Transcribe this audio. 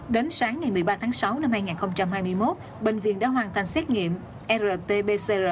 đến sáng ngày một mươi ba tháng sáu năm hai nghìn hai mươi một bệnh viện đã hoàn thành xét nghiệm rt pcr